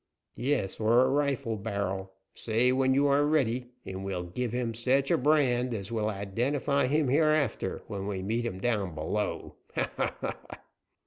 "Yes, or a rifle barrel. Say when you are ready, and we'll give him sech a brand as will identify him hereafter when we meet him down below. Ha! ha! ha! ha!"